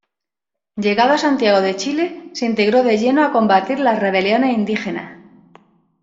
Llegado a Santiago de Chile se integró de lleno a combatir las rebeliones indígenas.